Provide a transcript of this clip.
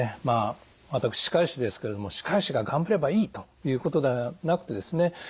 まあ私歯科医師ですけれども歯科医師が頑張ればいいということではなくてですね